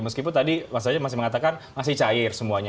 meskipun tadi mas raja masih mengatakan masih cair semuanya